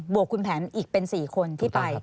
วกคุณแผนอีกเป็น๔คนที่ไป